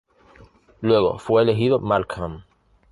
Luego fue elegido Markham.